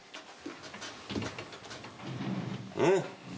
うん？